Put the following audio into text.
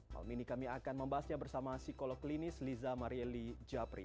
hal ini kami akan membahasnya bersama psikolog klinis liza marieli japri